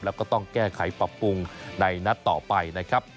แล้วก็ต้องแก้ไขปรับปรุงในนัดต่อไปนะครับ